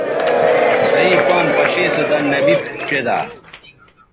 صحیح پان پشے سو دَن نبی ڇیدا